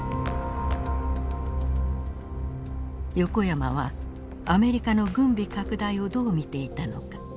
横山はアメリカの軍備拡大をどう見ていたのか。